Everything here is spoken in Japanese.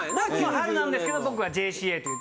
春なんですけど僕はＪＣＡという。